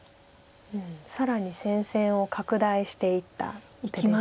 更に戦線を拡大していった一手ですよね。